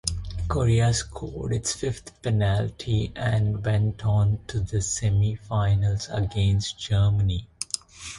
Korea scored its fifth penalty and went on to the semi-finals against Germany.